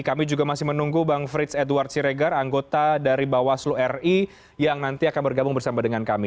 kami juga masih menunggu bang frits edward siregar anggota dari bawaslu ri yang nanti akan bergabung bersama dengan kami